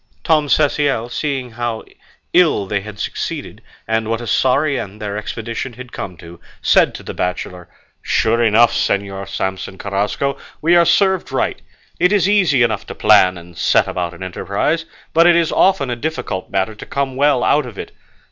Tom Cecial, seeing how ill they had succeeded, and what a sorry end their expedition had come to, said to the bachelor, "Sure enough, Señor Samson Carrasco, we are served right; it is easy enough to plan and set about an enterprise, but it is often a difficult matter to come well out of it.